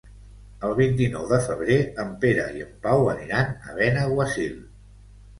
El vint-i-nou de febrer en Pere i en Pau aniran a Benaguasil.